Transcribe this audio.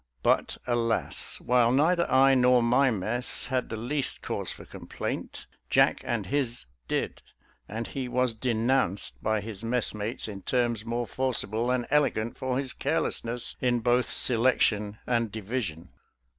But, alas! while neither I nor my mess had the least cause for complaint, Jack and his did, and he was denounced by his messmates in terms more forcible than elegant for his careless ness in both selection and division.